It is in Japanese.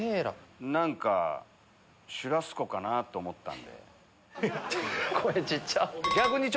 何かシュラスコかなと思ったんで。